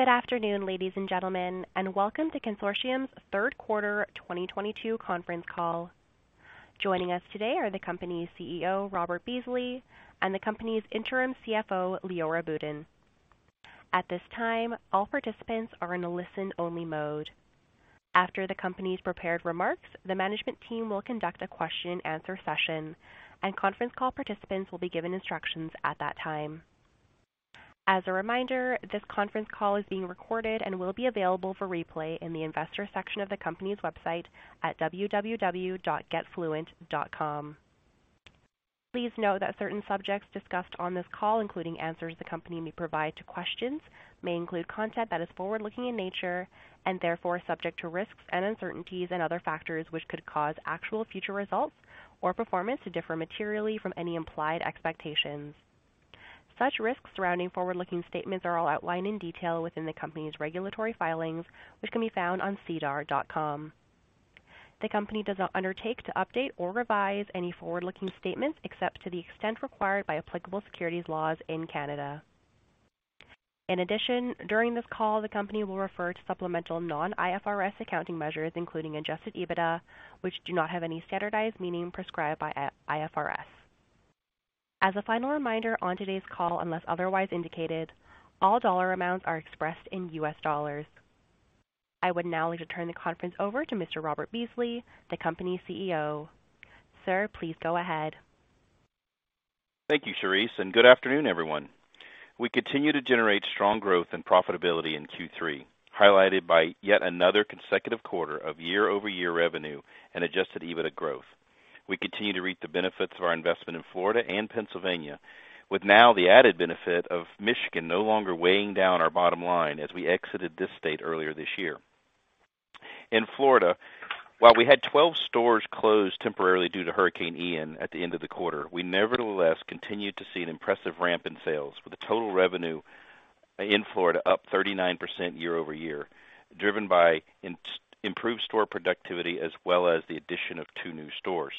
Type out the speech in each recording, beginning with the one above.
Good afternoon, ladies and gentlemen, and welcome to Cansortium's third quarter 2022 conference call. Joining us today are the company's CEO, Robert Beasley, and the company's interim CFO, Liora Boudin. At this time, all participants are in a listen-only mode. After the company's prepared remarks, the management team will conduct a question-and answer session, and conference call participants will be given instructions at that time. As a reminder, this conference call is being recorded and will be available for replay in the investor section of the company's website at www.getfluent.com. Please note that certain subjects discussed on this call, including answers the company may provide to questions, may include content that is forward-looking in nature and therefore subject to risks and uncertainties and other factors which could cause actual future results or performance to differ materially from any implied expectations. Such risks surrounding forward-looking statements are all outlined in detail within the company's regulatory filings, which can be found on SEDAR+. The company does not undertake to update or revise any forward-looking statements except to the extent required by applicable securities laws in Canada. During this call, the company will refer to supplemental non-IFRS accounting measures, including Adjusted EBITDA, which do not have any standardized meaning prescribed by IFRS. As a final reminder, on today's call, unless otherwise indicated, all dollar amounts are expressed in U.S. dollars. I would now like to turn the conference over to Mr. Robert Beasley, the company's CEO. Sir, please go ahead. Thank you, Charisse. Good afternoon, everyone. We continue to generate strong growth and profitability in Q3, highlighted by yet another consecutive quarter of year-over-year revenue and Adjusted EBITDA growth. We continue to reap the benefits of our investment in Florida and Pennsylvania, with now the added benefit of Michigan no longer weighing down our bottom line as we exited this state earlier this year. In Florida, while we had 12 stores closed temporarily due to Hurricane Ian at the end of the quarter, we nevertheless continued to see an impressive ramp in sales, with the total revenue in Florida up 39% year-over-year, driven by improved store productivity as well as the addition of two new stores.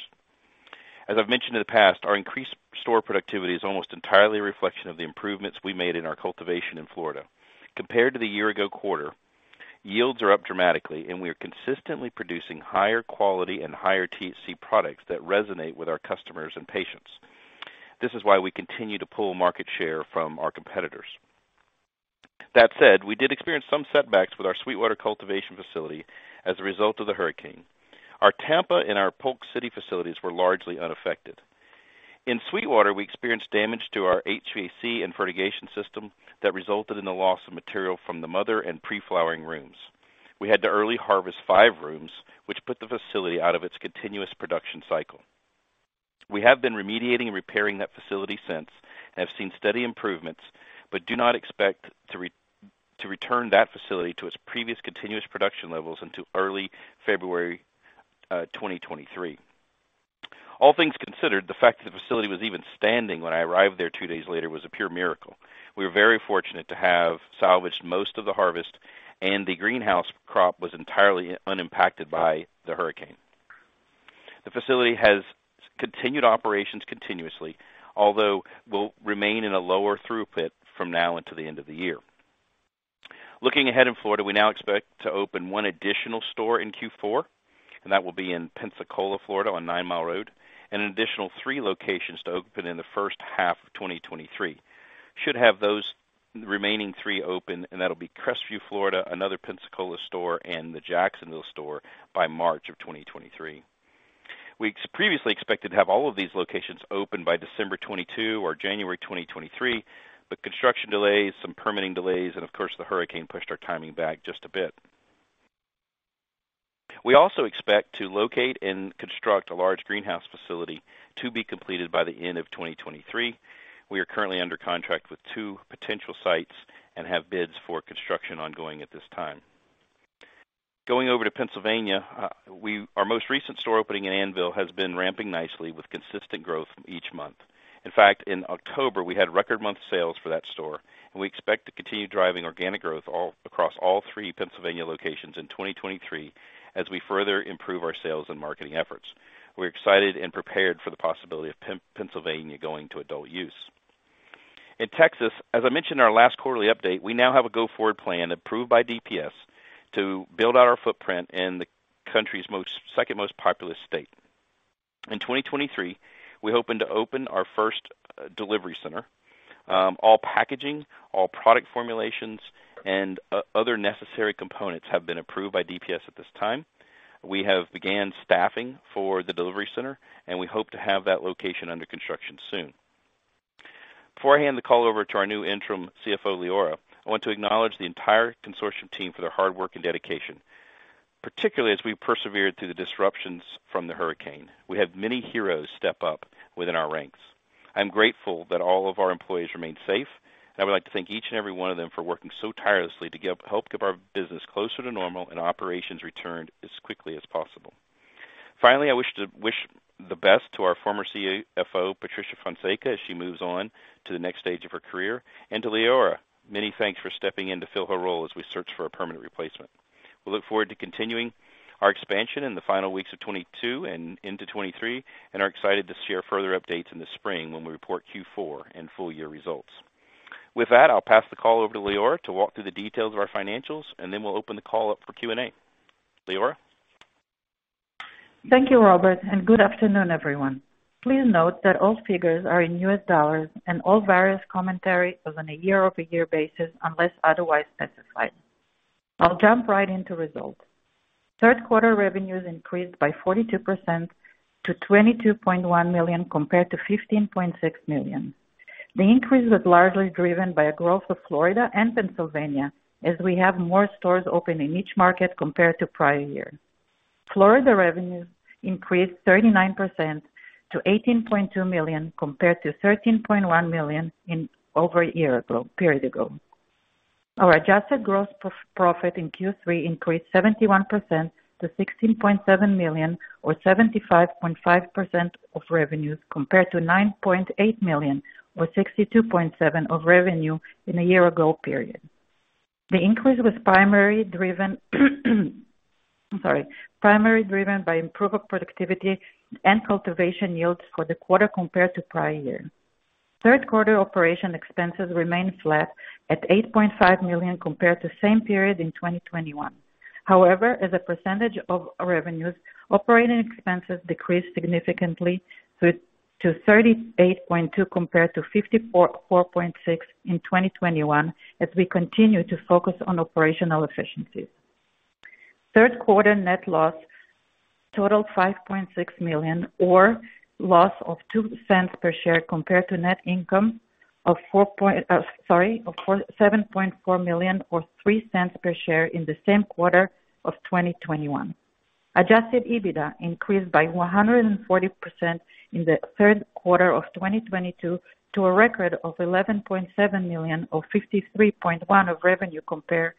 As I've mentioned in the past, our increased store productivity is almost entirely a reflection of the improvements we made in our cultivation in Florida. Compared to the year ago quarter, yields are up dramatically, and we are consistently producing higher quality and higher THC products that resonate with our customers and patients. This is why we continue to pull market share from our competitors. That said, we did experience some setbacks with our Sweetwater cultivation facility as a result of the hurricane. Our Tampa and our Polk City facilities were largely unaffected. In Sweetwater, we experienced damage to our HVAC and fertigation system that resulted in the loss of material from the mother and pre-flowering rooms. We had to early harvest five rooms, which put the facility out of its continuous production cycle. We have been remediating and repairing that facility since, and have seen steady improvements, but do not expect to return that facility to its previous continuous production levels until early February 2023. All things considered, the fact that the facility was even standing when I arrived there two days later was a pure miracle. We were very fortunate to have salvaged most of the harvest, and the greenhouse crop was entirely unimpacted by the hurricane. The facility has continued operations continuously, although will remain in a lower throughput from now until the end of the year. Looking ahead in Florida, we now expect to open one additional store in Q4, and that will be in Pensacola, Florida, on Nine Mile Road, and an additional three locations to open in the first half of 2023. Should have those remaining three open, and that'll be Crestview, Florida, another Pensacola store, and the Jacksonville store by March of 2023. We previously expected to have all of these locations open by December 2022 or January 2023, but construction delays, some permitting delays, and of course, the hurricane pushed our timing back just a bit. We also expect to locate and construct a large greenhouse facility to be completed by the end of 2023. We are currently under contract with two potential sites and have bids for construction ongoing at this time. Going over to Pennsylvania, our most recent store opening in Annville has been ramping nicely with consistent growth each month. In fact, in October, we had record monthly sales for that store, and we expect to continue driving organic growth across all three Pennsylvania locations in 2023 as we further improve our sales and marketing efforts. We're excited and prepared for the possibility of Pennsylvania going to adult-use. In Texas, as I mentioned in our last quarterly update, we now have a go-forward plan approved by DPS to build out our footprint in the country's second most populous state. In 2023, we hoping to open our first delivery center. All packaging, all product formulations, and other necessary components have been approved by DPS at this time. We have began staffing for the delivery center. We hope to have that location under construction soon. Before I hand the call over to our new interim CFO, Liora, I want to acknowledge the entire Cansortium team for their hard work and dedication, particularly as we persevered through the disruptions from the hurricane. We had many heroes step up within our ranks. I'm grateful that all of our employees remained safe, and I would like to thank each and every one of them for working so tirelessly to help get our business closer to normal and operations returned as quickly as possible. Finally, I wish the best to our former CFO, Patricia Fonseca, as she moves on to the next stage of her career, and to Liora, many thanks for stepping in to fill her role as we search for a permanent replacement. We look forward to continuing our expansion in the final weeks of 2022 and into 2023 and are excited to share further updates in the spring when we report Q4 and full year results. With that, I'll pass the call over to Liora to walk through the details of our financials, and then we'll open the call up for Q&A. Liora? Thank you, Robert, good afternoon, everyone. Please note that all figures are in U.S. dollars and all various commentary is on a year-over-year basis unless otherwise specified. I'll jump right into results. Third quarter revenues increased by 42% to $22.1 million compared to $15.6 million. The increase was largely driven by a growth of Florida and Pennsylvania as we have more stores open in each market compared to prior year. Florida revenues increased 39% to $18.2 million compared to $13.1 million in over a year ago period. Our adjusted gross profit in Q3 increased 71% to $16.7 million or 75.5% of revenues compared to $9.8 million or 62.7% of revenue in a year ago period. The increase was primary driven, sorry, primary driven by improved productivity and cultivation yields for the quarter compared to prior year. Third quarter operation expenses remained flat at $8.5 million compared to same period in 2021. As a percentage of revenues, operating expenses decreased significantly to 38.2% compared to 54.6% in 2021 as we continue to focus on operational efficiencies. Third quarter net loss totaled $5.6 million or loss of $0.02 per share compared to net income of 4... Sorry, of $7.4 million or $0.03 per share in the same quarter of 2021. Adjusted EBITDA increased by 140% in the third quarter of 2022 to a record of $11.7 million or 53.1% of revenue compared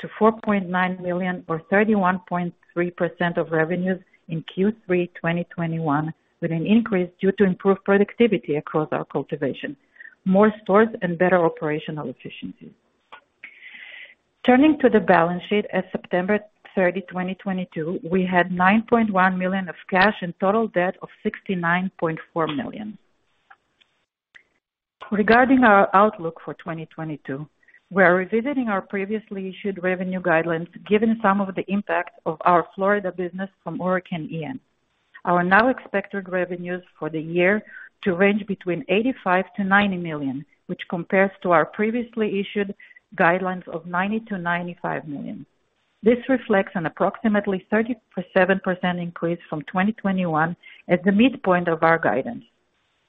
to $4.9 million or 31.3% of revenues in Q3 2021, with an increase due to improved productivity across our cultivation, more stores and better operational efficiencies. Turning to the balance sheet at September 30, 2022, we had $9.1 million of cash and total debt of $69.4 million. Regarding our outlook for 2022, we are revisiting our previously issued revenue guidelines given some of the impacts of our Florida business from Hurricane Ian. Our now expected revenues for the year to range between $85 million-$90 million, which compares to our previously issued guidelines of $90 million-$95 million. This reflects an approximately 37% increase from 2021 at the midpoint of our guidance.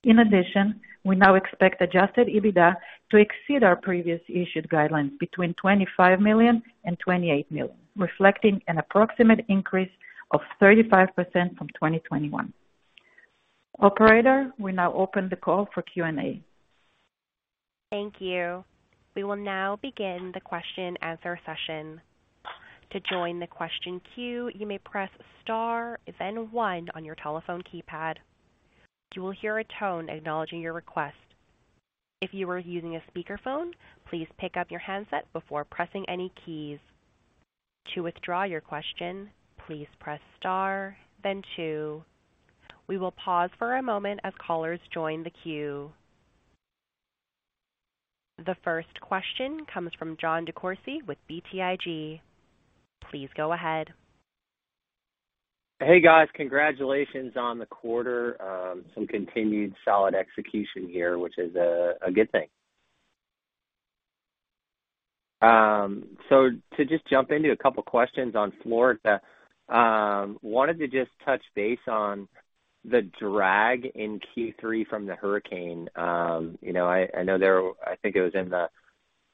We now expect Adjusted EBITDA to exceed our previous issued guidelines between $25 million and $28 million, reflecting an approximate increase of 35% from 2021. Operator, we now open the call for Q&A. Thank you. We will now begin the question-and-answer session. To join the question queue, you may press star, then one on your telephone keypad. You will hear a tone acknowledging your request. If you are using a speakerphone, please pick up your handset before pressing any keys. To withdraw your question, please press star then two. We will pause for a moment as callers join the queue. The first question comes from Jon DeCourcey with BTIG. Please go ahead. Hey, guys. Congratulations on the quarter. Some continued solid execution here, which is a good thing. To just jump into a couple questions on Florida, wanted to just touch base on the drag in Q3 from Hurricane Ian. You know, I think it was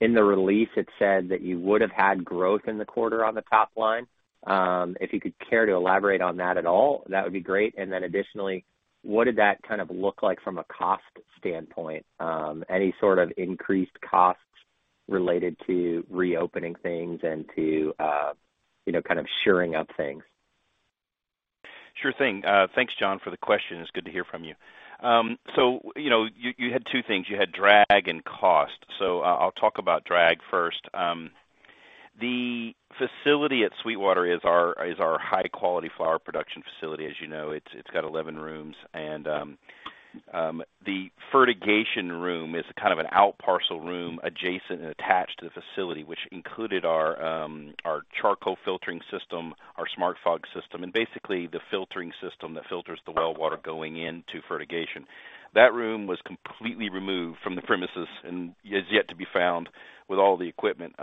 in the release, it said that you would have had growth in the quarter on the top line. If you could care to elaborate on that at all, that would be great. Additionally, what did that kind of look like from a cost standpoint? Any sort of increased costs related to reopening things and to, you know, kind of shearing up things? Sure thing. Thanks, Jon, for the question. It's good to hear from you. You know, you had two things. You had drag and cost. I'll talk about drag first. The facility at Sweetwater is our high-quality flower production facility. As you know, it's got 11 rooms. The fertigation room is kind of an outparcel room adjacent and attached to the facility which included our charcoal filtering system, our SmartFog system, and basically the filtering system that filters the well water going into fertigation. That room was completely removed from the premises and is yet to be found with all the equipment.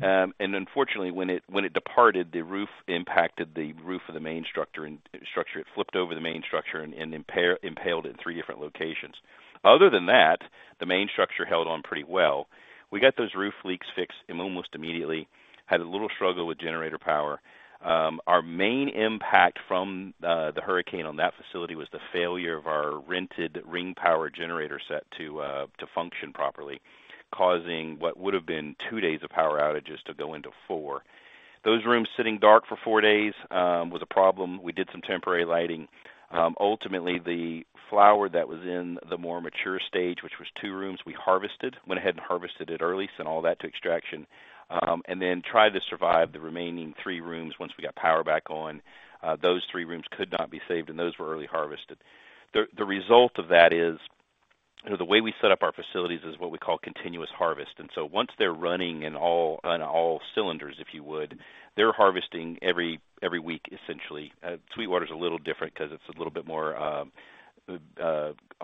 Unfortunately, when it departed, the roof impacted the roof of the main structure. It flipped over the main structure and impaled in three different locations. Other than that, the main structure held on pretty well. We got those roof leaks fixed almost immediately. Had a little struggle with generator power. Our main impact from the Hurricane Ian on that facility was the failure of our rented Ring Power generator set to function properly, causing what would have been two days of power outages to go into four. Those rooms sitting dark for four days was a problem. We did some temporary lighting. Ultimately, the flower that was in the more mature stage, which was two rooms we harvested, went ahead and harvested it early, sent all that to extraction, and then tried to survive the remaining three rooms once we got power back on. Those three rooms could not be saved, and those were early harvested. The result of that is, you know, the way we set up our facilities is what we call continuous harvest. Once they're running on all cylinders, if you would, they're harvesting every week, essentially. Sweetwater is a little different 'cause it's a little bit more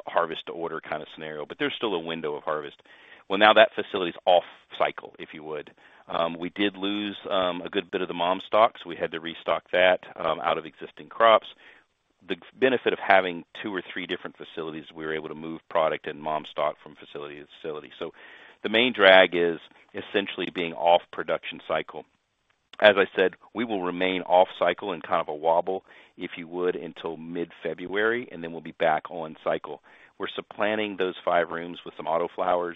harvest to order kind of scenario, but there's still a window of harvest. Now that facility is off cycle, if you would. We did lose a good bit of the mom stock, so we had to restock that out of existing crops. The benefit of having two or three different facilities, we were able to move product and mom stock from facility to facility. The main drag is essentially being off production cycle. As I said, we will remain off cycle in kind of a wobble, if you would, until mid-February, and then we'll be back on cycle. We're supplanting those five rooms with some autoflowers.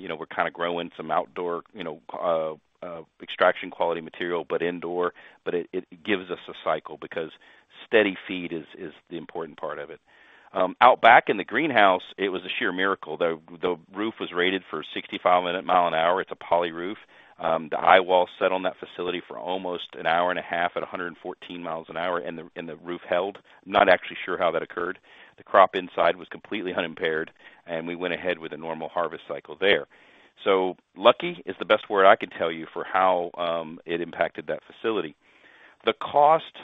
You know, we're kinda growing some outdoor, you know, extraction quality material, but indoor. It gives us a cycle because steady feed is the important part of it. Out back in the greenhouse, it was a sheer miracle. The roof was rated for 65 mile an hour. It's a poly roof. The high wall set on that facility for almost an hour and a half at 114 miles an hour, and the roof held. Not actually sure how that occurred. The crop inside was completely unimpaired, and we went ahead with a normal harvest cycle there. Lucky is the best word I could tell you for how it impacted that facility. The cost,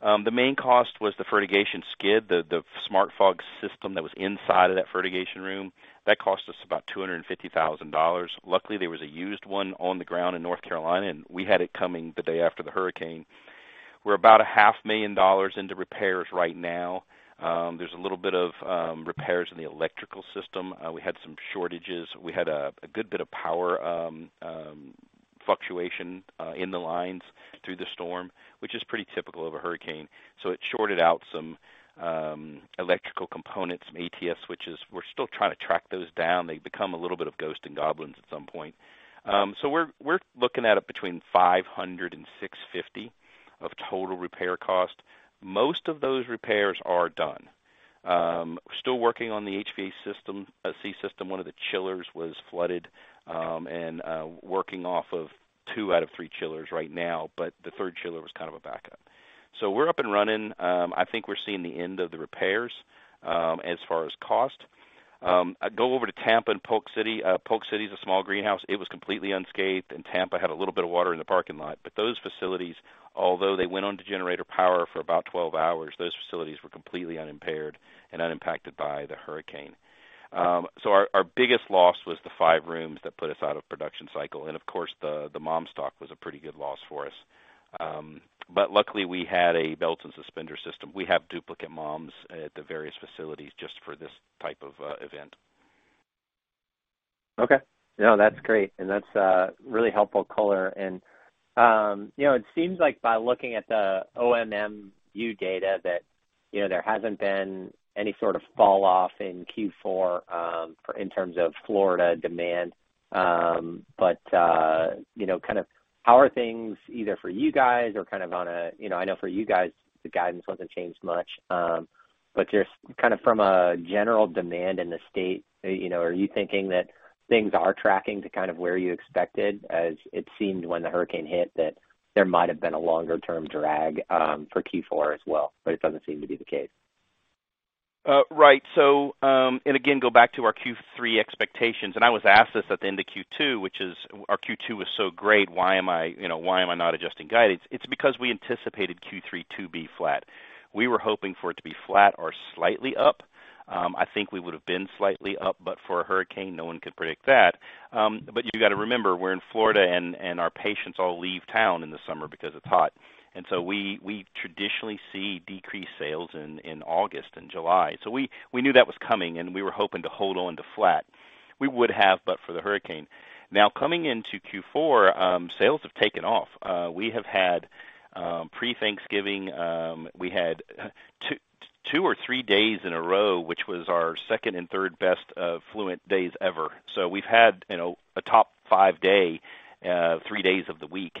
the main cost was the fertigation skid, the SmartFog system that was inside of that fertigation room. That cost us about $250,000. Luckily, there was a used one on the ground in North Carolina, and we had it coming the day after the hurricane. We're about a $500,000 into repairs right now. There's a little bit of repairs in the electrical system. We had some shortages. We had a good bit of power fluctuation in the lines through the storm, which is pretty typical of a hurricane. It shorted out some electrical components, some ATS switches. We're still trying to track those down. They become a little bit of ghosts and goblins at some point. We're looking at between $500-$650 of total repair cost. Most of those repairs are done. Still working on the HVAC system, AC system. One of the chillers was flooded, working off of two out of three chillers right now, but the third chiller was kind of a backup. We're up and running. I think we're seeing the end of the repairs as far as cost. Go over to Tampa and Polk City. Polk City is a small greenhouse. It was completely unscathed, Tampa had a little bit of water in the parking lot. Those facilities, although they went on to generator power for about 12 hours, those facilities were completely unimpaired and unimpacted by Hurricane Ian. Our biggest loss was the five rooms that put us out of production cycle. Of course, the mom stock was a pretty good loss for us. Luckily, we had a belts and suspenders system. We have duplicate moms at the various facilities just for this type of event. Okay. No, that's great. That's really helpful color. You know, it seems like by looking at the OMMU data that, you know, there hasn't been any sort of fall off in Q4 in terms of Florida demand. You know, kind of how are things either for you guys or kind of on a... You know, I know for you guys, the guidance wasn't changed much, but just kind of from a general demand in the state, you know, are you thinking that things are tracking to kind of where you expected, as it seemed when the hurricane hit, that there might have been a longer term drag for Q4 as well, but it doesn't seem to be the case. Right. And again, go back to our Q3 expectations, and I was asked this at the end of Q2, which is our Q2 was so great, why am I, you know, why am I not adjusting guidance? It's because we anticipated Q3 to be flat. We were hoping for it to be flat or slightly up. I think we would have been slightly up, but for a hurricane, no one could predict that. You got to remember, we're in Florida and our patients all leave town in the summer because it's hot. We traditionally see decreased sales in August and July. We knew that was coming, and we were hoping to hold on to flat. We would have, but for the hurricane. Now coming into Q4, sales have taken off. We have had, pre-Thanksgiving, we had two or three days in a row, which was our second and third best, Fluent's days ever. We've had, you know, a top five day, three days of the week,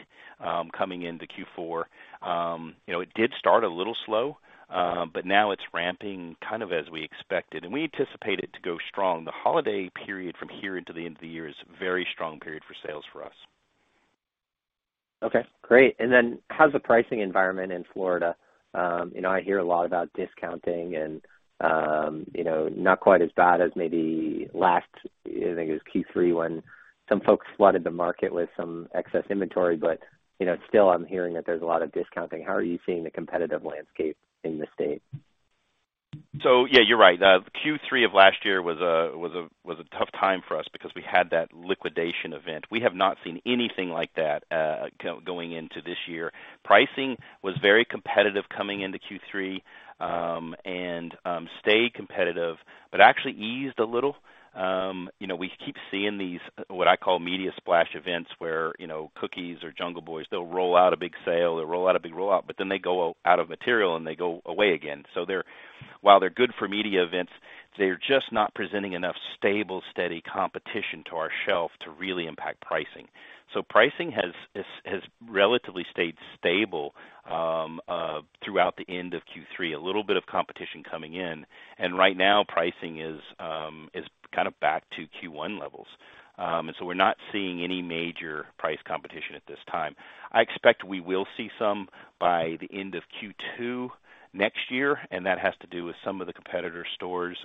coming into Q4. You know, it did start a little slow. Now it's ramping kind of as we expected, and we anticipate it to go strong. The holiday period from here into the end of the year is a very strong period for sales for us. Okay, great. How's the pricing environment in Florida? You know, I hear a lot about discounting and, you know, not quite as bad as maybe last, I think it was Q3 when some folks flooded the market with some excess inventory. You know, still I'm hearing that there's a lot of discounting. How are you seeing the competitive landscape in the state? Yeah, you're right. Q3 of last year was a tough time for us because we had that liquidation event. We have not seen anything like that going into this year. Pricing was very competitive coming into Q3, and stayed competitive, but actually eased a little. You know, we keep seeing these, what I call media splash events, where, you know, Cookies or Jungle Boys, they'll roll out a big sale. They'll roll out a big rollout, they go out of material, and they go away again. While they're good for media events, they're just not presenting enough stable, steady competition to our shelf to really impact pricing. Pricing has relatively stayed stable throughout the end of Q3. A little bit of competition coming in. Right now, pricing is kind of back to Q1 levels. We're not seeing any major price competition at this time. I expect we will see some by the end of Q2 next year. That has to do with some of the competitor stores,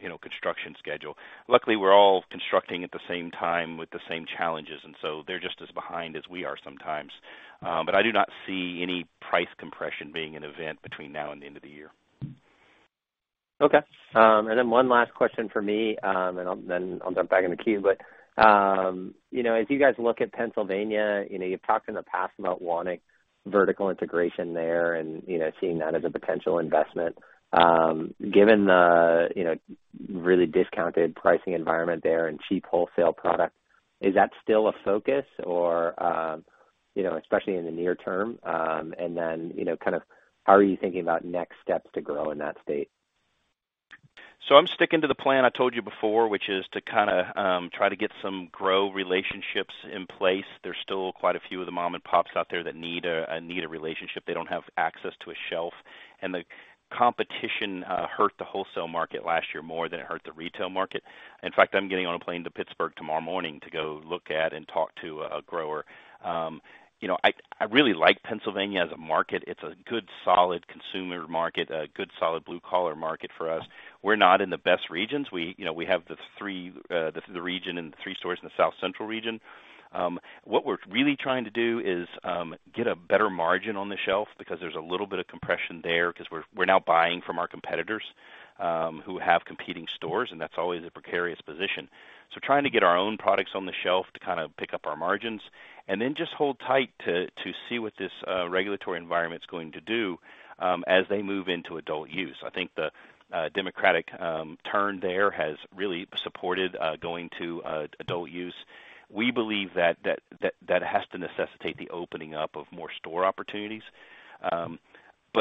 you know, construction schedule. Luckily, we're all constructing at the same time with the same challenges. So they're just as behind as we are sometimes. I do not see any price compression being an event between now and the end of the year. Okay. One last question for me, and then I'll jump back in the queue. You know, as you guys look at Pennsylvania, you know, you've talked in the past about wanting vertical integration there and, you know, seeing that as a potential investment. Given the, you know, really discounted pricing environment there and cheap wholesale product, is that still a focus or, you know, especially in the near-term? You know, kind of how are you thinking about next steps to grow in that state? I'm sticking to the plan I told you before, which is to kinda try to get some grow relationships in place. There's still quite a few of the mom and pops out there that need a relationship. They don't have access to a shelf. The competition hurt the wholesale market last year more than it hurt the retail market. In fact, I'm getting on a plane to Pittsburgh tomorrow morning to go look at and talk to a grower. you know, I really like Pennsylvania as A-market. It's a good, solid consumer market, a good, solid blue-collar market for us. We're not in the best regions. We, you know, we have the three the region and the three stores in the South Central region. What we're really trying to do is get a better margin on the shelf because there's a little bit of compression there 'cause we're now buying from our competitors, who have competing stores, that's always a precarious position. Trying to get our own products on the shelf to kind of pick up our margins and then just hold tight to see what this regulatory environment's going to do as they move into adult-use. I think the Democratic turn there has really supported going to adult-use. We believe that has to necessitate the opening up of more store opportunities.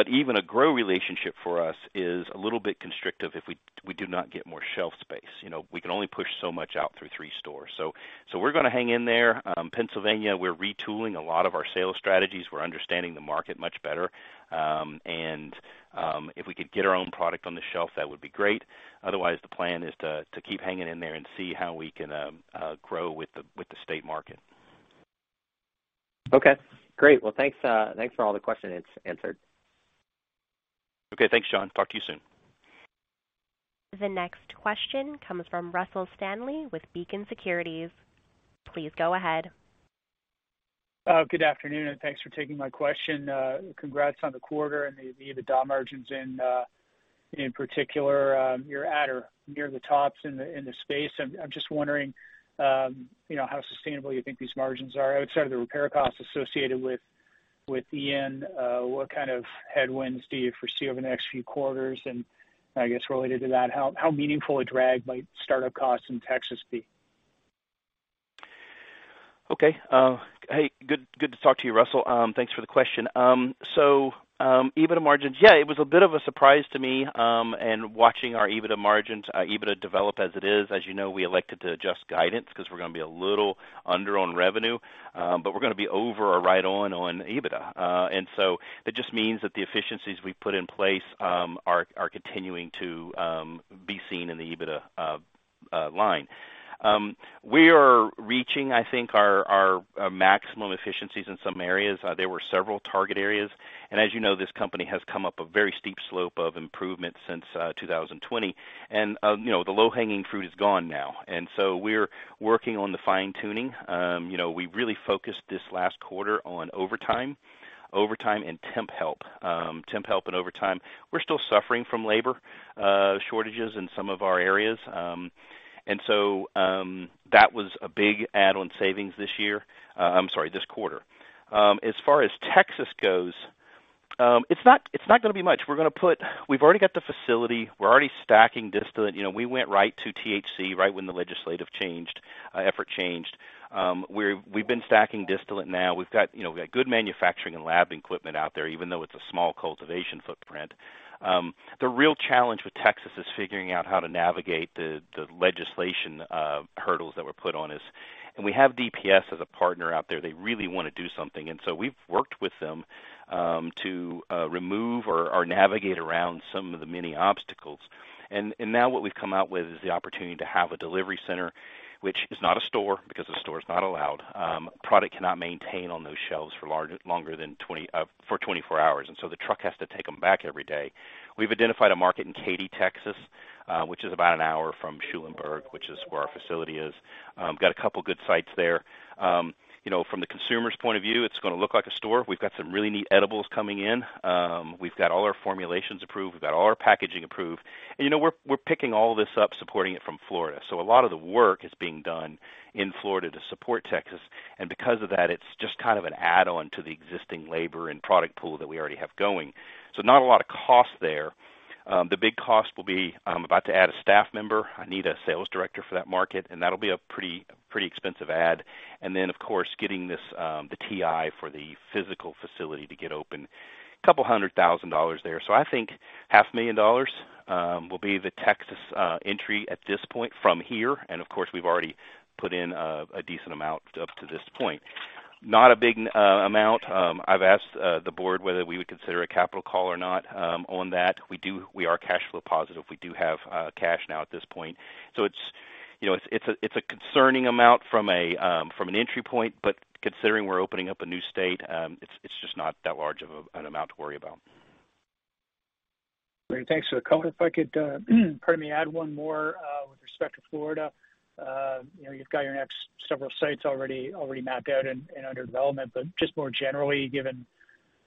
Even a grow relationship for us is a little bit constrictive if we do not get more shelf space. You know, we can only push so much out through three stores. We're gonna hang in there. Pennsylvania, we're retooling a lot of our sales strategies. We're understanding the market much better. And if we could get our own product on the shelf, that would be great. Otherwise, the plan is to keep hanging in there and see how we can grow with the state market. Okay, great. Well, thanks for all the questions answered. Okay. Thanks, Jon. Talk to you soon. The next question comes from Russell Stanley with Beacon Securities. Please go ahead. Good afternoon, and thanks for taking my question. Congrats on the quarter and the EBITDA margins in particular, you're at or near the tops in the space. I'm just wondering, you know, how sustainable you think these margins are outside of the repair costs associated with Ian, what kind of headwinds do you foresee over the next few quarters? I guess related to that, how meaningful a drag might start-up costs in Texas be? Okay. Hey, good to talk to you, Russell. Thanks for the question. EBITDA margins. Yeah, it was a bit of a surprise to me, in watching our EBITDA margins, EBITDA develop as it is. As you know, we elected to adjust guidance because we're gonna be a little under on revenue, but we're gonna be over or right on EBITDA. That just means that the efficiencies we put in place are continuing to be seen in the EBITDA line. We are reaching, I think, our maximum efficiencies in some areas. There were several target areas, and as you know, this company has come up a very steep slope of improvement since 2020. You know, the low-hanging fruit is gone now. We're working on the fine-tuning. You know, we really focused this last quarter on overtime. Overtime and temp help. Temp help and overtime. We're still suffering from labor shortages in some of our areas. That was a big add-on savings this year. I'm sorry, this quarter. As far as Texas goes, it's not gonna be much. We've already got the facility. We're already stacking distillate. You know, we went right to THC, right when the legislative changed, effort changed. We've been stacking distillate now. We've got, you know, we've got good manufacturing and lab equipment out there, even though it's a small cultivation footprint. The real challenge with Texas is figuring out how to navigate the legislation hurdles that were put on us. We have DPS as a partner out there. They really wanna do something. We've worked with them to remove or navigate around some of the many obstacles. Now what we've come out with is the opportunity to have a delivery center, which is not a store, because a store is not allowed. Product cannot maintain on those shelves for longer than 24 hours, and so the truck has to take them back every day. We've identified A-market in Katy, Texas, which is about an hour from Schulenburg, which is where our facility is. Got a couple good sites there. You know, from the consumer's point of view, it's gonna look like a store. We've got some really neat edibles coming in. We've got all our formulations approved. We've got all our packaging approved. You know, we're picking all this up, supporting it from Florida. A lot of the work is being done in Florida to support Texas, and because of that, it's just kind of an add-on to the existing labor and product pool that we already have going. Not a lot of cost there. The big cost will be, I'm about to add a staff member. I need a sales director for that market, and that'll be a pretty expensive add. Of course, getting this, the TI for the physical facility to get open, couple hundred thousand dollars there. I think $500,000 will be the Texas entry at this point from here. Of course, we've already put in a decent amount up to this point. Not a big amount. I've asked the board whether we would consider a capital call or not on that. We are cash flow positive. We do have cash now at this point. It's, you know, it's a, it's a concerning amount from an entry point, but considering we're opening up a new state, it's just not that large of an amount to worry about. Great, thanks for the color. If I could, pardon me, add one more, with respect to Florida. You know, you've got your next several sites already mapped out and under development. Just more generally, given,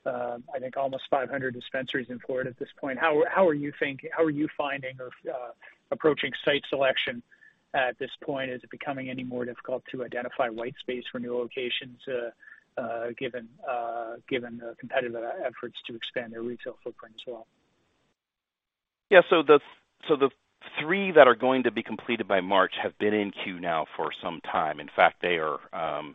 I think almost 500 dispensaries in Florida at this point, how are you finding or approaching site selection at this point? Is it becoming any more difficult to identify white space for new locations, given the competitive efforts to expand their retail footprint as well? Yeah. The three that are going to be completed by March have been in queue now for some time. In fact, they are,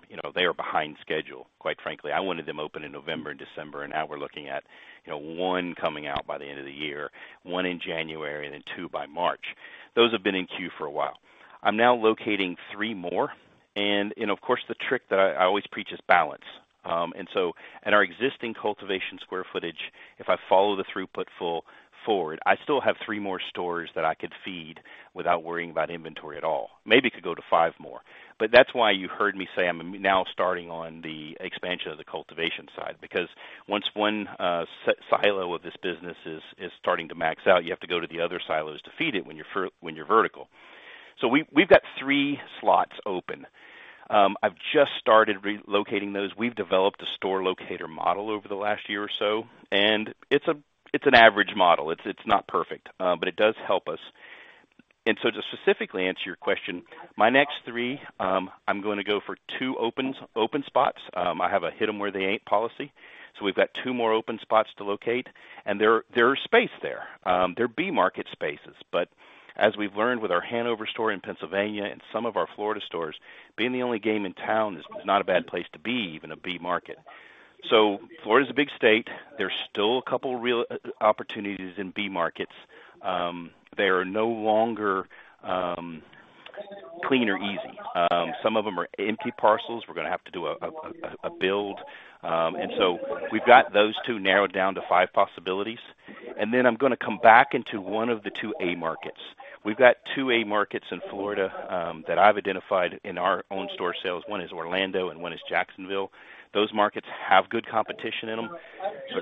you know, they are behind schedule, quite frankly. I wanted them open in November and December, now we're looking at, you know, one coming out by the end of the year, one in January, two by March. Those have been in queue for a while. I'm now locating three more. Of course, the trick that I always preach is balance. In our existing cultivation square footage, if I follow the throughput full forward, I still have three more stores that I could feed without worrying about inventory at all. Maybe it could go to five more. That's why you heard me say I'm now starting on the expansion of the cultivation side, because once one silo of this business is starting to max out, you have to go to the other silos to feed it when you're vertical. We've got three slots open. I've just started re-locating those. We've developed a store locator model over the last year or so, and it's an average model. It's not perfect, but it does help us. To specifically answer your question, my next three, I'm gonna go for two open spots. I have a hit them where they ain't policy. We've got two more open spots to locate. There is space there. They're B-market spaces. As we've learned with our Hanover store in Pennsylvania and some of our Florida stores, being the only game in town is not a bad place to be, even a B-market. Florida is a big state. There's still a couple real opportunities in B-markets. They are no longer clean or easy. Some of them are empty parcels. We're gonna have to do a build. We've got those two narrowed down to five possibilities. I'm gonna come back into one of the two A-markets. We've got two A-markets in Florida that I've identified in our own store sales. One is Orlando and one is Jacksonville. Those markets have good competition in them.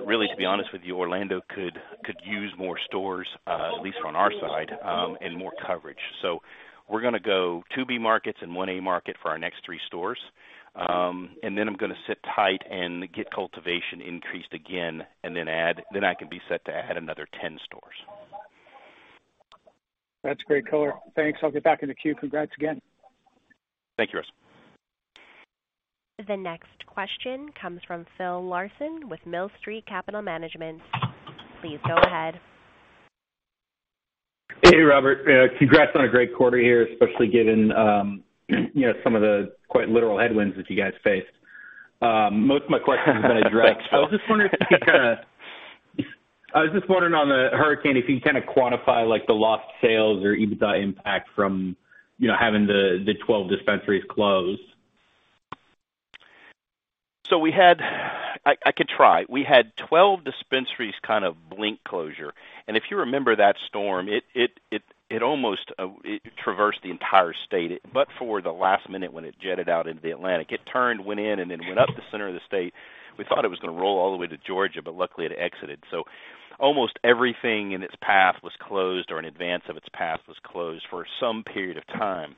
Really, to be honest with you, Orlando could use more stores, at least on our side, and more coverage. We're gonna go two B-markets and one A-market for our next three stores. And then I'm gonna sit tight and get cultivation increased again and then add. I can be set to add another 10 stores. That's great color. Thanks. I'll get back in the queue. Congrats again. Thank you, Russell. The next question comes from Phill Larson with Millstreet Capital Management. Please go ahead. Hey, Robert. congrats on a great quarter here, especially given, you know, some of the quite literal headwinds that you guys faced. most of my questions have been addressed. I was just wondering on the hurricane, if you can kind of quantify like the lost sales or EBITDA impact from, you know, having the 12 dispensaries closed. I could try. We had 12 dispensaries kind of blink closure. If you remember that storm, it almost traversed the entire state. For the last minute when it jetted out into the Atlantic, it turned, went in, and then went up the center of the state. We thought it was gonna roll all the way to Georgia, but luckily it exited. Almost everything in its path was closed or in advance of its path was closed for some period of time.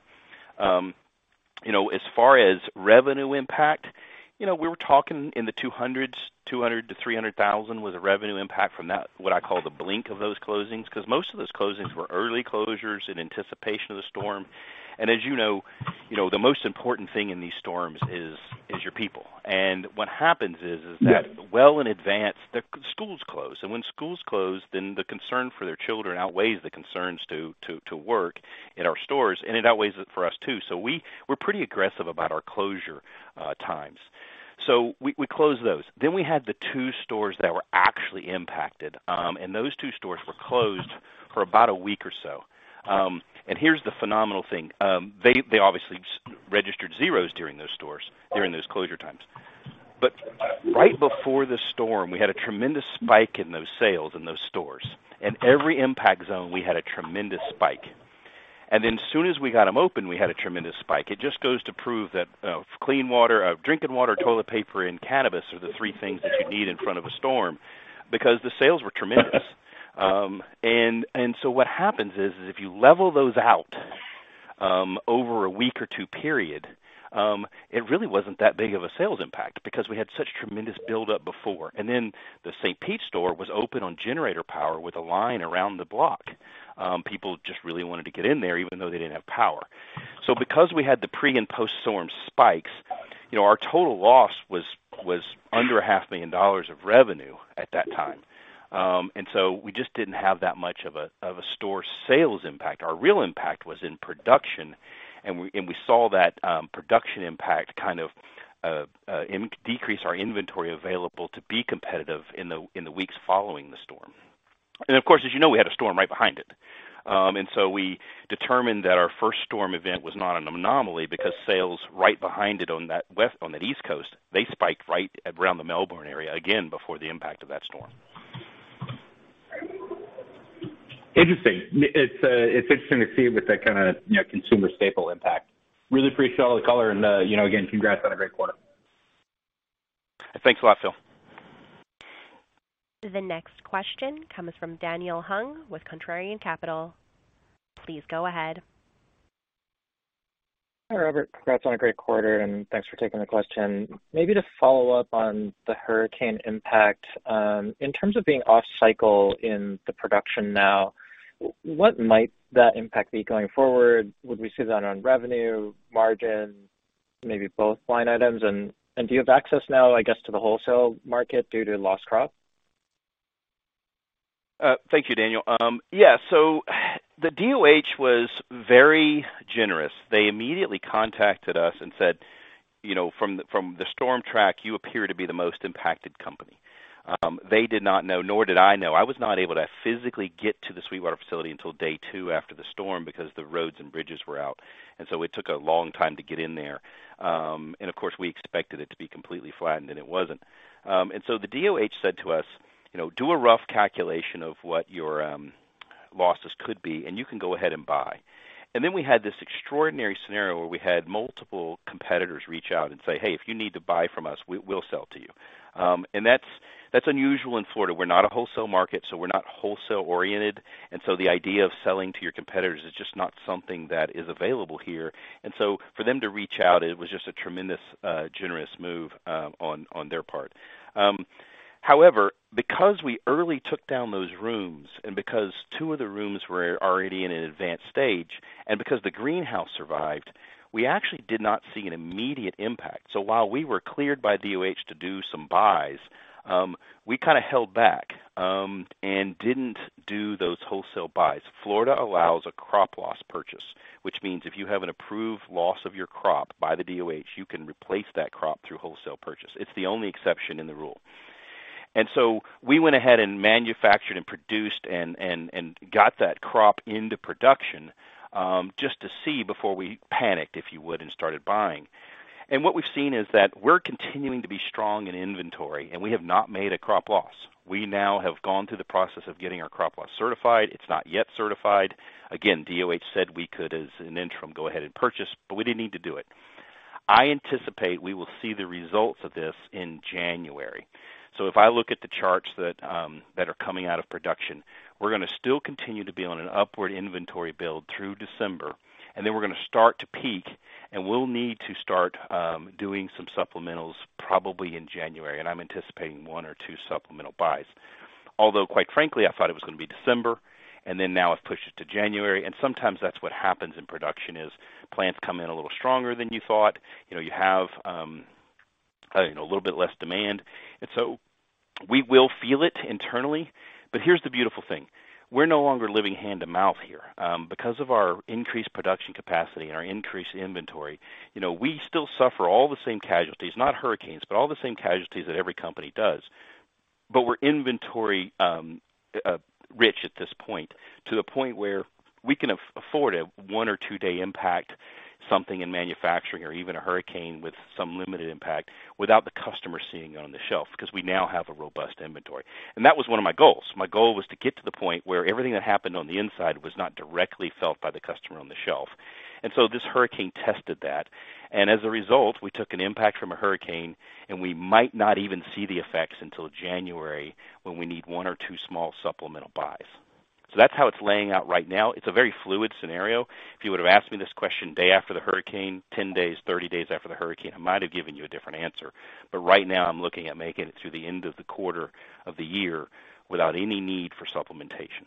You know, as far as revenue impact, you know, we were talking in the $200,000-$300,000 was a revenue impact from that, what I call the blink of those closings, because most of those closings were early closures in anticipation of the storm. As you know, you know, the most important thing in these storms is your people. What happens is that well in advance, the schools close. When schools close, the concern for their children outweighs the concerns to, to work in our stores, and it outweighs it for us, too. We're pretty aggressive about our closure times. We, we closed those. We had the two stores that were actually impacted. Those two stores were closed for about one week or so. Here's the phenomenal thing. They, they obviously registered zeros during those stores, during those closure times. Right before the storm, we had a tremendous spike in those sales in those stores. In every impact zone, we had a tremendous spike. As soon as we got them open, we had a tremendous spike. It just goes to prove that clean water, drinking water, toilet paper, and cannabis are the three things that you need in front of a storm because the sales were tremendous. So what happens is if you level those out, over a week or two period, it really wasn't that big of a sales impact because we had such tremendous buildup before. The St. Pete store was open on generator power with a line around the block. People just really wanted to get in there even though they didn't have power. Because we had the pre- and post-storm spikes, you know, our total loss was under a half million dollars of revenue at that time. We just didn't have that much of a store sales impact. Our real impact was in production, and we saw that production impact kind of decrease our inventory available to be competitive in the weeks following the storm. Of course, as you know, we had a storm right behind it. We determined that our first storm event was not an anomaly because sales right behind it on that East Coast, they spiked right around the Melbourne area again before the impact of that storm. Interesting. It's interesting to see with that kinda, you know, consumer staple impact. Really appreciate all the color and, you know, again, congrats on a great quarter. Thanks a lot, Phill. The next question comes from Daniel Hung with Contrarian Capital. Please go ahead. Hi, Robert. Congrats on a great quarter, and thanks for taking the question. Maybe to follow up on the hurricane impact, in terms of being off cycle in the production now, what might that impact be going forward? Would we see that on revenue, margin, maybe both line items? Do you have access now, I guess, to the wholesale market due to lost crop? Thank you, Daniel. Yeah. The DOH was very generous. They immediately contacted us and said, "You know, from the, from the storm track, you appear to be the most impacted company." They did not know, nor did I know. I was not able to physically get to the Sweetwater facility until day two after the storm because the roads and bridges were out, and so it took a long time to get in there. Of course, we expected it to be completely flattened, and it wasn't. The DOH said to us, "You know, do a rough calculation of what your losses could be, and you can go ahead and buy." We had this extraordinary scenario where we had multiple competitors reach out and say, "Hey, if you need to buy from us, we'll sell to you." That's, that's unusual in Florida. We're not a wholesale market, so we're not wholesale oriented, the idea of selling to your competitors is just not something that is available here. For them to reach out, it was just a tremendous, generous move on their part. However, because we early took down those rooms and because two of the rooms were already in an advanced stage and because the greenhouse survived, we actually did not see an immediate impact. While we were cleared by DOH to do some buys, we kinda held back and didn't do those wholesale buys. Florida allows a crop loss purchase, which means if you have an approved loss of your crop by the DOH, you can replace that crop through wholesale purchase. It's the only exception in the rule. We went ahead and manufactured and produced and got that crop into production, just to see before we panicked, if you would, and started buying. What we've seen is that we're continuing to be strong in inventory, and we have not made a crop loss. We now have gone through the process of getting our crop loss certified. It's not yet certified. Again, DOH said we could, as an interim, go ahead and purchase, but we didn't need to do it. I anticipate we will see the results of this in January. If I look at the charts that are coming out of production, we're gonna still continue to be on an upward inventory build through December, and then we're gonna start to peak, and we'll need to start doing some supplementals probably in January, and I'm anticipating one or two supplemental buys. Although, quite frankly, I thought it was gonna be December, and then now it's pushed to January. Sometimes that's what happens in production, is plants come in a little stronger than you thought. You know, you have, I don't know, a little bit less demand. So we will feel it internally, but here's the beautiful thing. We're no longer living hand to mouth here. Because of our increased production capacity and our increased inventory, you know, we still suffer all the same casualties, not hurricanes, but all the same casualties that every company does, but we're inventory rich at this point, to the point where we can afford a one or two-day impact, something in manufacturing or even a hurricane with some limited impact without the customer seeing it on the shelf, 'cause we now have a robust inventory. That was one of my goals. My goal was to get to the point where everything that happened on the inside was not directly felt by the customer on the shelf. This hurricane tested that, and as a result, we took an impact from a hurricane, and we might not even see the effects until January, when we need one or two small supplemental buys. That's how it's laying out right now. It's a very fluid scenario. If you would've asked me this question day after the Hurricane, 10 days, 30 days after the hurricane, I might have given you a different answer. Right now I'm looking at making it through the end of the quarter of the year without any need for supplementation.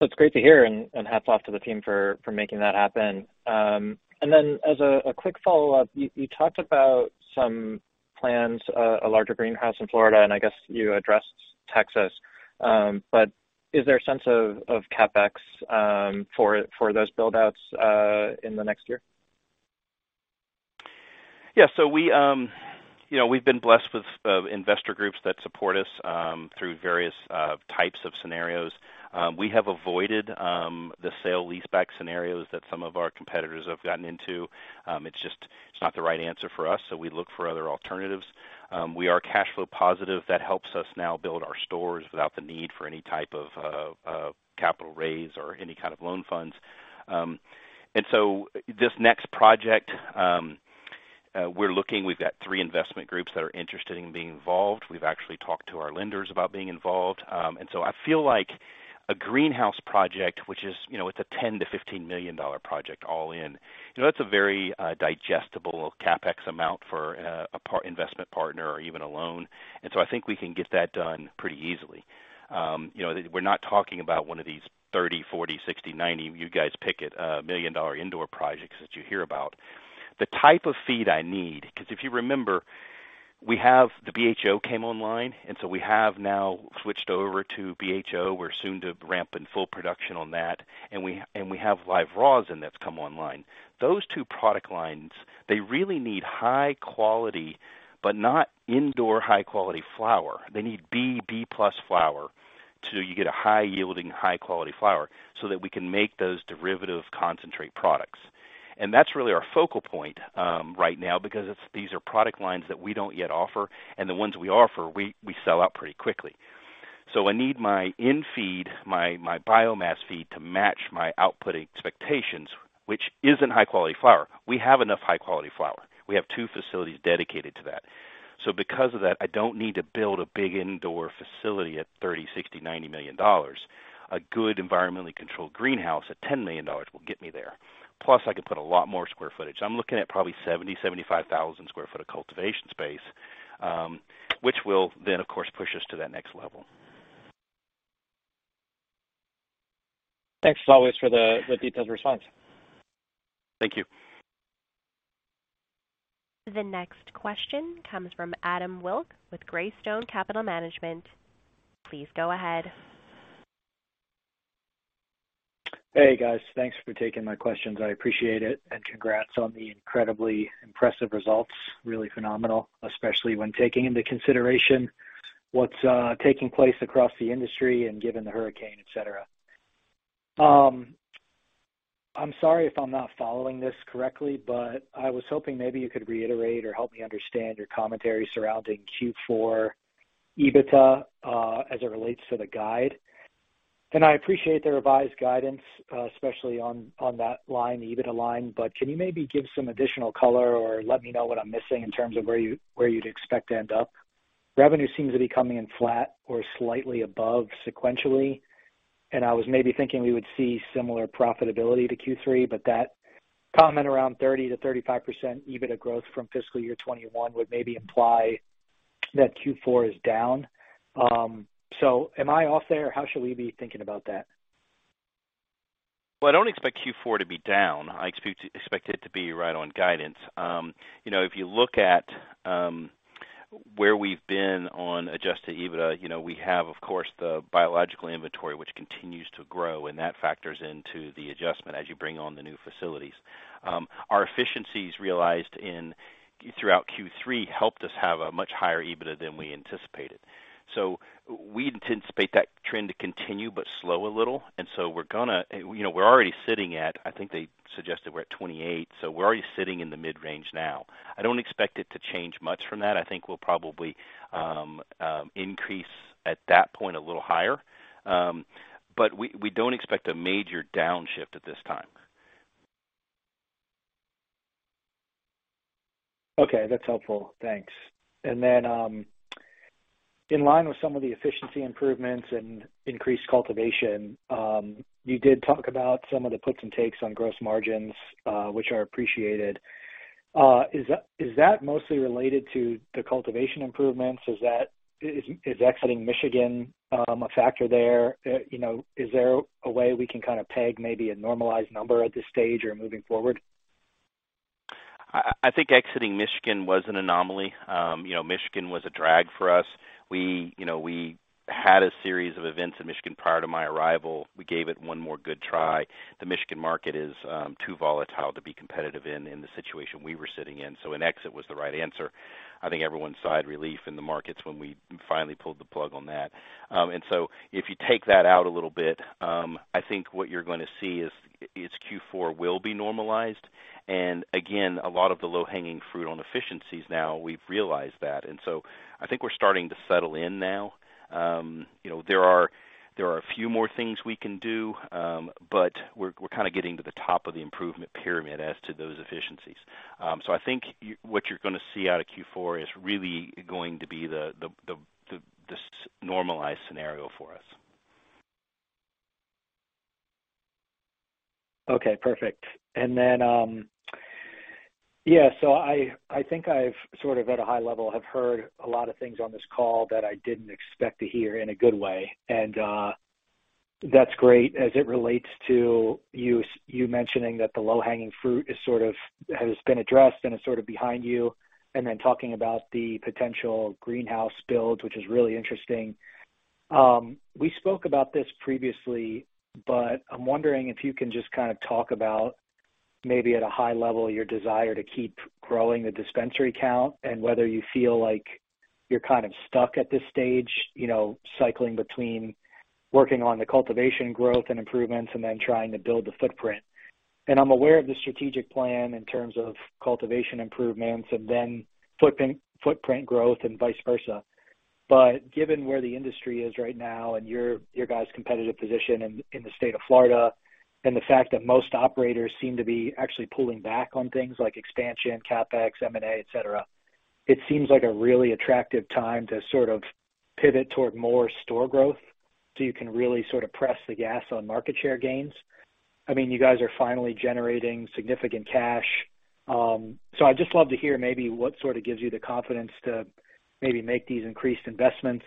That's great to hear, and hats off to the team for making that happen. As a quick follow-up, you talked about some plans, a larger greenhouse in Florida, and I guess you addressed Texas. Is there a sense of CapEx for those build-outs in the next year? We, you know, we've been blessed with investor groups that support us through various types of scenarios. We have avoided the sale-leaseback scenarios that some of our competitors have gotten into. It's not the right answer for us, so we look for other alternatives. We are cash flow positive. That helps us now build our stores without the need for any type of capital raise or any kind of loan funds. This next project, we're looking. We've got three investment groups that are interested in being involved. We've actually talked to our lenders about being involved. I feel like a greenhouse project, which is, it's a $10 million-$15 million project all in, that's a very digestible CapEx amount for a part investment partner or even a loan. I think we can get that done pretty easily. We're not talking about one of these $30 million, $40 million, $60 million, 90 million indoor projects that you hear about. The type of feed I need, 'cause if you remember, we have the BHO came online, and so we have now switched over to BHO. We're soon to ramp in full production on that, and we have Live Rosin that's come online. Those two product lines, they really need high-quality, but not indoor high-quality flower. They need B-plus flower. So you get a high-yielding, high-quality flower so that we can make those derivative concentrate products. That's really our focal point right now, because these are product lines that we don't yet offer, and the ones we offer, we sell out pretty quickly. I need my in-feed, my biomass feed to match my output expectations, which isn't high-quality flower. We have enough high-quality flower. We have two facilities dedicated to that. Because of that, I don't need to build a big indoor facility at $30 million, $60 million, $90 million. A good environmentally controlled greenhouse at $10 million will get me there. Plus, I could put a lot more square footage. I'm looking at probably 70,000sq ft, 75,000 sq ft of cultivation space, which will then, of course, push us to that next level. Thanks as always for the detailed response. Thank you. The next question comes from Adam Wilk with Greystone Capital Management. Please go ahead. Hey, guys. Thanks for taking my questions. I appreciate it, and congrats on the incredibly impressive results. Really phenomenal, especially when taking into consideration what's taking place across the industry and given the hurricane, et cetera. I'm sorry if I'm not following this correctly, but I was hoping maybe you could reiterate or help me understand your commentary surrounding Q4 EBITDA as it relates to the guide. I appreciate the revised guidance, especially on that line, the EBITDA line, but can you maybe give some additional color or let me know what I'm missing in terms of where you'd expect to end up? Revenue seems to be coming in flat or slightly above sequentially. I was maybe thinking we would see similar profitability to Q3. That comment around 30%-35% EBITDA growth from fiscal year 2021 would maybe imply that Q4 is down. Am I off there? How should we be thinking about that? Well, I don't expect Q4 to be down. I expect it to be right on guidance. You know, if you look at where we've been on Adjusted EBITDA, you know, we have, of course, the biological inventory, which continues to grow, and that factors into the adjustment as you bring on the new facilities. Our efficiencies realized throughout Q3 helped us have a much higher EBITDA than we anticipated. We'd anticipate that trend to continue, but slow a little. We're gonna, you know, we're already sitting at, I think they suggested we're at 28%, so we're already sitting in the mid-range now. I don't expect it to change much from that. I think we'll probably increase at that point a little higher. We, we don't expect a major downshift at this time. Okay, that's helpful. Thanks. In line with some of the efficiency improvements and increased cultivation, you did talk about some of the puts and takes on gross margins, which are appreciated. Is that mostly related to the cultivation improvements? Is exiting Michigan a factor there? You know, is there a way we can kind of peg maybe a normalized number at this stage or moving forward? I think exiting Michigan was an anomaly. You know, Michigan was a drag for us. We, you know, we had a series of events in Michigan prior to my arrival. We gave it one more good try. The Michigan market is too volatile to be competitive in the situation we were sitting in. An exit was the right answer. I think everyone sighed relief in the markets when we finally pulled the plug on that. If you take that out a little bit, I think what you're gonna see is Q4 will be normalized. Again, a lot of the low-hanging fruit on efficiencies now, we've realized that. I think we're starting to settle in now. You know, there are a few more things we can do, but we're kind of getting to the top of the improvement pyramid as to those efficiencies. I think what you're gonna see out of Q4 is really going to be this normalized scenario for us. Okay, perfect. I think I've sort of at a high level have heard a lot of things on this call that I didn't expect to hear in a good way. That's great as it relates to you mentioning that the low-hanging fruit is sort of, has been addressed and is sort of behind you, and then talking about the potential greenhouse build, which is really interesting. We spoke about this previously, I'm wondering if you can just kind of talk about maybe at a high level, your desire to keep growing the dispensary count and whether you feel like you're kind of stuck at this stage, you know, cycling between working on the cultivation growth and improvements and then trying to build the footprint. I'm aware of the strategic plan in terms of cultivation improvements and then footprint growth and vice versa. Given where the industry is right now and your guys' competitive position in the state of Florida, and the fact that most operators seem to be actually pulling back on things like expansion, CapEx, M&A, et cetera, it seems like a really attractive time to sort of pivot toward more store growth, so you can really sort of press the gas on market share gains. I mean, you guys are finally generating significant cash. I'd just love to hear maybe what sort of gives you the confidence to maybe make these increased investments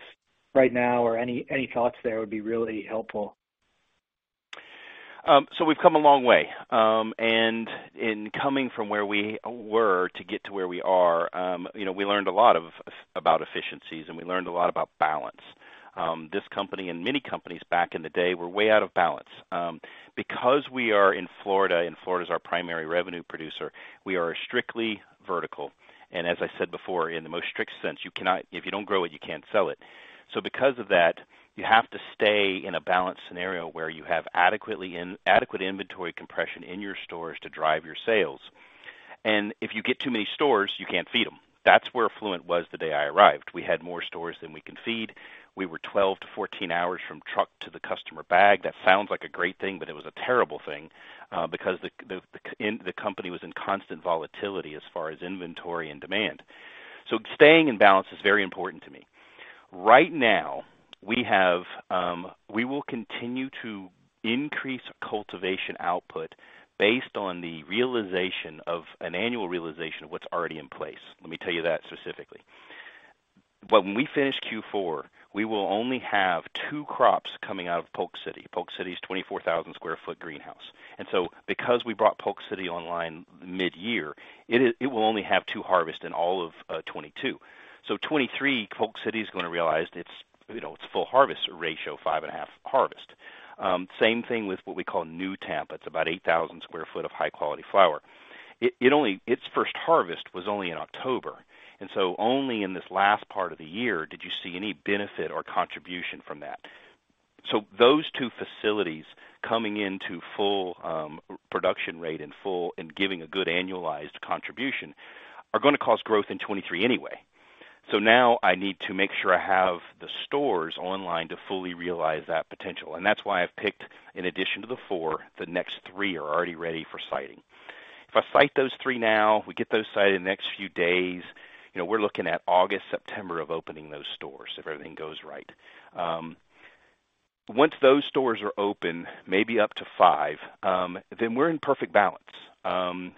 right now or any thoughts there would be really helpful. We've come a long way. In coming from where we were to get to where we are, you know, we learned a lot about efficiencies, and we learned a lot about balance. This company and many companies back in the day were way out of balance. Because we are in Florida and Florida is our primary revenue producer, we are strictly vertical. As I said before, in the most strict sense, if you don't grow it, you can't sell it. Because of that, you have to stay in a balanced scenario where you have adequate inventory compression in your stores to drive your sales. If you get too many stores, you can't feed them. That's where Fluent was the day I arrived. We had more stores than we can feed. We were 12 to 14 hours from truck to the customer bag. That sounds like a great thing, it was a terrible thing because the company was in constant volatility as far as inventory and demand. Staying in balance is very important to me. Right now, we have, we will continue to increase cultivation output based on an annual realization of what's already in place. Let me tell you that specifically. When we finish Q4, we will only have two crops coming out of Polk City. Polk City is 24 sq ft greenhouse. Because we brought Polk City online mid-year, it will only have two harvests in all of 2022. 2023, Polk City is gonna realize its, you know, its full harvest ratio, 5.5 harvest. Same thing with what we call New Tampa. It's about 8,000 sq ft of high-quality flower. Its first harvest was only in October, only in this last part of the year did you see any benefit or contribution from that. Those two facilities coming into full production rate in full and giving a good annualized contribution are gonna cause growth in 2023 anyway. Now I need to make sure I have the stores online to fully realize that potential. That's why I've picked, in addition to the four, the next three are already ready for siting. If I site those three now, we get those sited in the next few days, you know, we're looking at August, September of opening those stores if everything goes right. Once those stores are open, maybe up to five, then we're in perfect balance.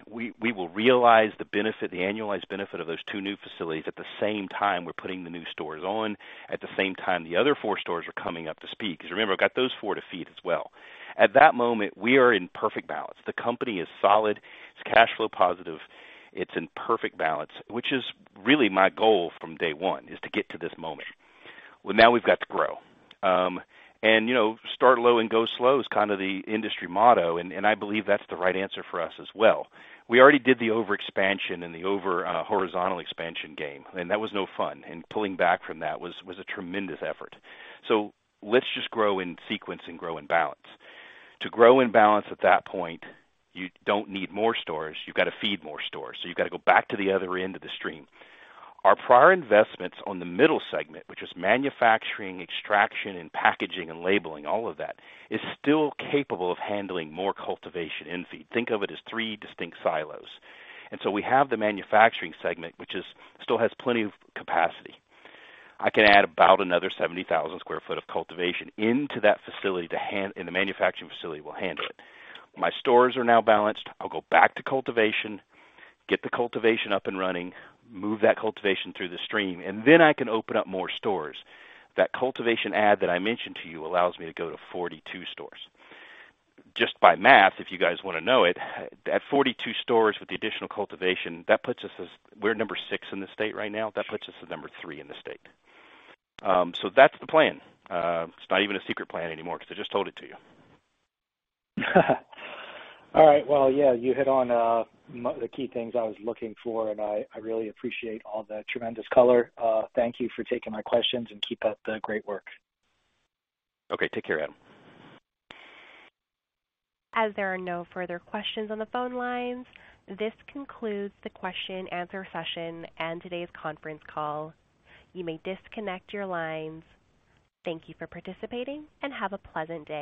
We will realize the benefit, the annualized benefit of those two new facilities at the same time we're putting the new stores on, at the same time the other four stores are coming up to speed. Because remember, I've got those four to feed as well. At that moment, we are in perfect balance. The company is solid, it's cash flow positive, it's in perfect balance, which is really my goal from Day 1, is to get to this moment. Well, now we've got to grow. You know, start low and go slow is kind of the industry motto, and I believe that's the right answer for us as well. We already did the overexpansion and the over horizontal expansion game, and that was no fun, and pulling back from that was a tremendous effort. Let's just grow in sequence and grow in balance. To grow in balance at that point, you don't need more stores. You've got to feed more stores. You've got to go back to the other end of the stream. Our prior investments on the middle segment, which is manufacturing, extraction, and packaging and labeling, all of that, is still capable of handling more cultivation in feed. Think of it as three distinct silos. We have the manufacturing segment, which still has plenty of capacity. I can add about another 70,000 sq ft of cultivation into that facility to hand, and the manufacturing facility will handle it. My stores are now balanced. I'll go back to cultivation, get the cultivation up and running, move that cultivation through the stream. I can open up more stores. That cultivation add that I mentioned to you allows me to go to 42 stores. Just by math, if you guys wanna know it, at 42 stores with the additional cultivation, that puts us. We're number six in the state right now. That puts us as number three in the state. That's the plan. It's not even a secret plan anymore because I just told it to you. All right. Well, yeah, you hit on the key things I was looking for, and I really appreciate all the tremendous color. Thank you for taking my questions, and keep up the great work. Okay. Take care, Adam. As there are no further questions on the phone lines, this concludes the question-and-answer session and today's conference call. You may disconnect your lines. Thank you for participating, and have a pleasant day.